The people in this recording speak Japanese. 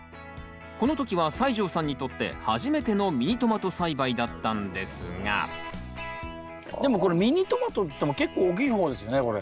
この時は西城さんにとって初めてのミニトマト栽培だったんですがでもこれミニトマトっていっても結構大きい方ですよねこれ。